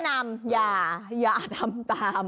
นำอย่าทำตาม